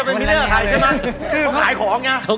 ก็ไม่ได้เห็นพื้นเลือร์หรืเปล่า